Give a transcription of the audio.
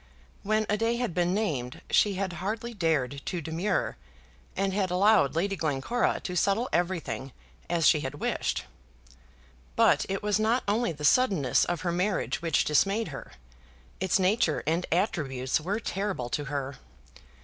When a day had been named she had hardly dared to demur, and had allowed Lady Glencora to settle everything as she had wished. But it was not only the suddenness of her marriage which dismayed her. Its nature and attributes were terrible to her.